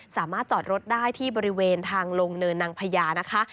สามารถจอดรถได้ที่บริเวณทางลงเนินนางพญานะคะ